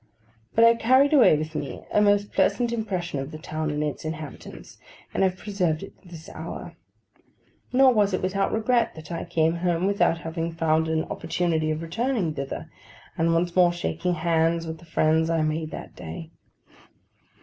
But I carried away with me a most pleasant impression of the town and its inhabitants, and have preserved it to this hour. Nor was it without regret that I came home, without having found an opportunity of returning thither, and once more shaking hands with the friends I made that day.